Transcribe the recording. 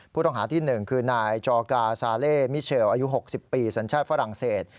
ผู้ต้องหาที่๑คือนายจอกาซาเล่มิเชลอายุ๖๐ปีสัญชาติฝรั่งเศส